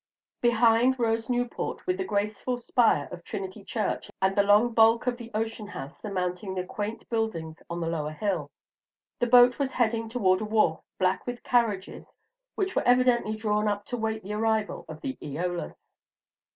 Behind rose Newport, with the graceful spire of Trinity Church and the long bulk of the Ocean House surmounting the quaint buildings on the lower hill. The boat was heading toward a wharf, black with carriages, which were evidently drawn up to wait the arrival of the "Eolus."